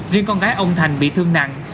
riêng con gái ông thành bị thương nặng